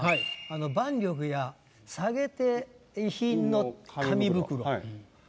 「万緑に提げて遺品の紙袋」。